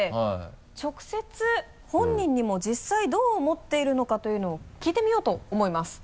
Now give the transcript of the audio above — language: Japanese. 直接本人にも実際どう思っているのかというのを聞いてみようと思います。